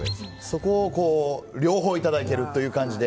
そこを両方いただいているっていう感じで。